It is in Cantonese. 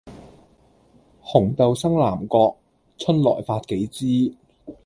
紅豆生南國，春來發幾枝，